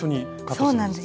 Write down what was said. そうなんです。